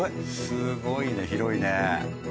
すごいね広いね。